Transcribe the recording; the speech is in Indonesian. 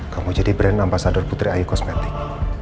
kamu jadi brand ambasador putri ayu kosmetik